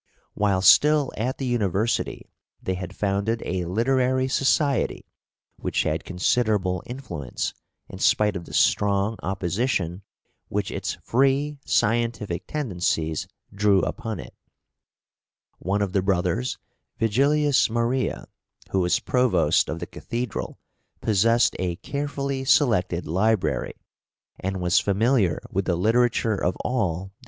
While still at the university they had founded a literary society which had considerable influence in spite of the strong opposition which its free scientific tendencies drew upon it. One of the brothers, Vigilius Maria, who was provost of the cathedral, possessed a carefully selected library, and was familiar with the literature of all the {THE NOBILITY OF SALZBURG.